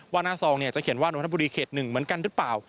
หน้าซองจะเขียนว่านนทบุรีเขต๑เหมือนกันหรือเปล่า